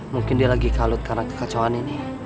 mungkin dia lagi kalut karena kekacauan ini